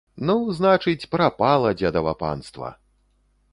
Ну, значыць, прапала дзедава панства!